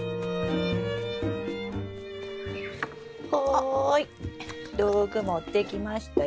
はい道具持ってきましたよ。